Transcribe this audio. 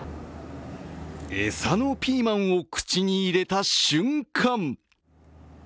餌のピーマンを口に入れた瞬間